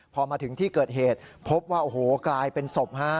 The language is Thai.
พอมาถึงที่เกิดเหตุพบว่ากลายเป็นศพ